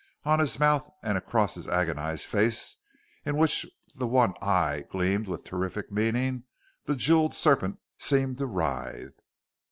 On his mouth and across his agonised face in which the one eye gleamed with terrific meaning the jewelled serpent seemed to writhe.